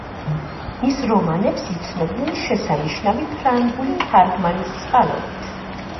მის რომანებს იცნობენ შესანიშნავი ფრანგული თარგმანის წყალობით.